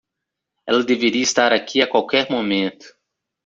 Ela deveria estar aqui a qualquer momento.